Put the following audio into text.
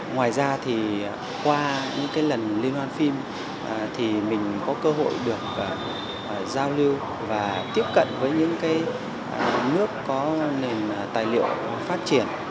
ngoài ra thì qua những lần liên hoan phim thì mình có cơ hội được giao lưu và tiếp cận với những cái nước có nền tài liệu phát triển